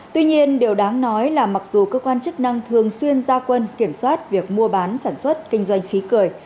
tuy nhiên điều đáng nói là mặc dù cơ quan chức năng thường xuyên ra quân kiểm soát việc mua bán sản xuất kinh doanh khí cười